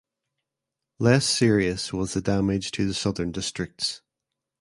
Less serious was the damage to the southern districts.